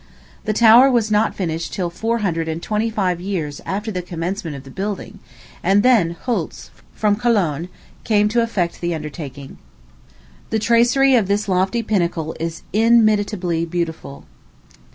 The tower was not finished till four hundred and twenty five years after the commencement of the building, and then Hültz, from Cologne, came to effect the undertaking. The tracery of this lofty pinnacle is inimitably beautiful.